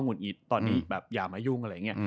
ุนอิตตอนนี้แบบอย่ามายุ่งอะไรอย่างนี้